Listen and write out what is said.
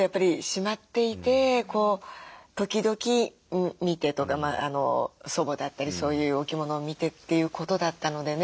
しまっていて時々見てとか祖母だったりそういうお着物を見てということだったのでね